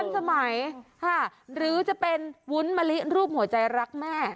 สมัยหรือจะเป็นมะลิรูปหัวใจรักแม่